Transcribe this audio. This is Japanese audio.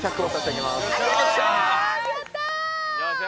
やった！